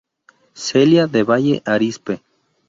Celia de Valle Arizpe.